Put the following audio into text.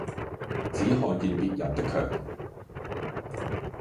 只看見別人的强